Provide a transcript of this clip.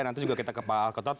nanti juga kita ke pak alkotot